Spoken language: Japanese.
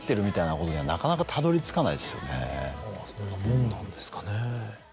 そんなもんなんですかね。